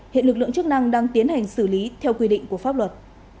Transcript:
hiện lực lượng chức năng đang tiến hành xử lý theo quy định của pháp luật